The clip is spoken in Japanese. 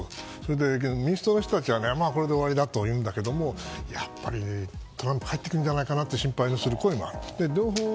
だけど民主党の人たちはこれで終わりだというけれどもやっぱりトランプが帰ってくるんじゃないかと心配する声もある。